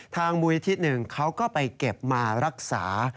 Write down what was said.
ทางบุญที่หนึ่งเขาก็ไปเก็บมารักษา